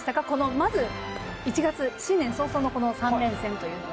まず１月新年早々の３連戦というのは。